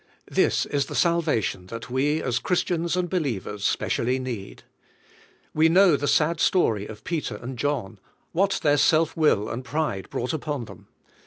This is the salvation that we as Christians and believers specially need. We know the sad story of Peter and John; what their self will and pride brought upon them.